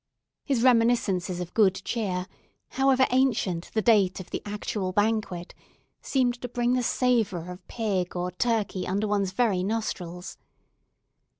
His reminiscences of good cheer, however ancient the date of the actual banquet, seemed to bring the savour of pig or turkey under one's very nostrils.